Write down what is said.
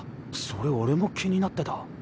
それ俺も気になってた。